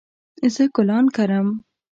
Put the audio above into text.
زه ګلان کرم